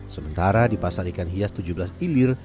sementara di pasar ikan hias tujuh belas ilir